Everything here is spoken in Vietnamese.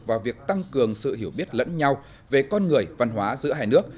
vào việc tăng cường sự hiểu biết lẫn nhau về con người văn hóa giữa hai nước